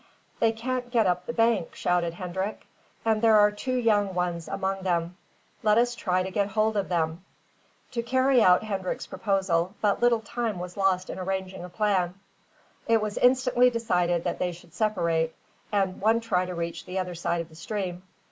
"They can't get up the bank," shouted Hendrik, "and there are two young ones among them. Let us try to get hold of them." To carry out Hendrik's proposal, but little time was lost in arranging a plan. It was instantly decided that they should separate, and one try to reach the other side of the stream.